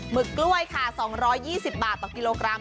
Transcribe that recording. ึกกล้วยค่ะ๒๒๐บาทต่อกิโลกรัม